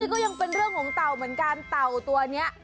ก็ยังเป็นเรื่องของเต่าเหมือนกันเต่าตัวนี้